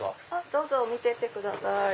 どうぞ見てってください。